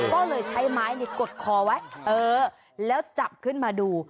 ก็เลยใช้ไม้กดคอไว้เออแล้วจับขึ้นมาดู